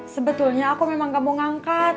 sebetulnya aku memang gak mau ngangkat